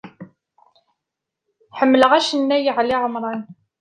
Ḥemleɣ acennay Ɛli Ɛemran.